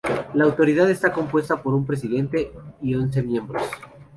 La Autoridad está compuesta por un Presidente y once miembros.